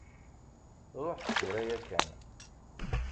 Ṛuḥ-d tura yakkan!